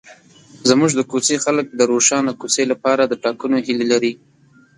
زموږ د کوڅې خلک د روښانه کوڅې لپاره د ټاکنو هیله لري.